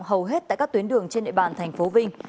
hầu hết tại các tuyến đường trên nệ bàn thành phố vinh